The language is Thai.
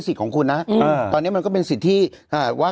ตอนนี้มันก็เป็นสิทธิว่า